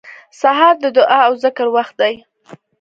سهار د دعا او ذکر وخت دی.